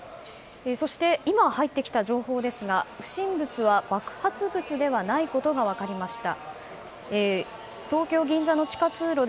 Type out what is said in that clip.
そして、今入ってきた情報ですが不審物は爆発物ではないことが分かりました。